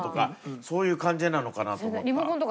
そういう感じなのかなと思った。